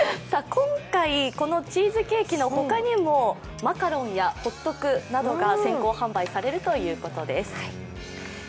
今回このチーズケーキの他にもマカロンやホットクなどが先行販売されるということです。